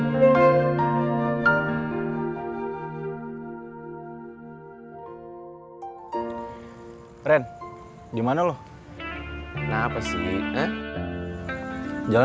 ternyata mereka bisa juga mengatasi semua keadaan